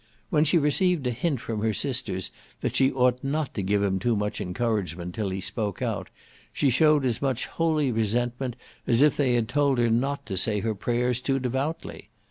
When she received a hint from her sisters that she ought not to give him too much encouragement till he spoke out, she showed as much holy resentment as if they had told her not to say her prayers too devoutly.